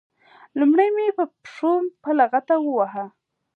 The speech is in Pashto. لومړی مې په پښو په لغته وواهه.